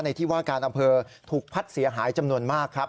ที่ว่าการอำเภอถูกพัดเสียหายจำนวนมากครับ